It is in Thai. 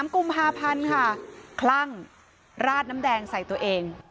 กุมภาพันธ์ค่ะคลั่งราดน้ำแดงใส่ตัวเอง